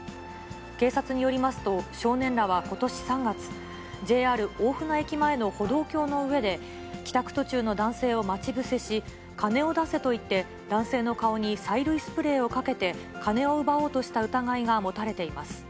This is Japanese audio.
警察によりますと、少年らはことし３月、ＪＲ大船駅前の歩道橋の上で、帰宅途中の男性を待ち伏せし、金を出せと言って、男性の顔に催涙スプレーをかけて、金を奪おうとした疑いが持たれています。